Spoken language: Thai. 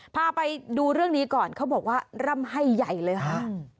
พาไปดูเรื่องนี้ก่อนเขาบอกว่าร่ำไห้ใหญ่เลยค่ะ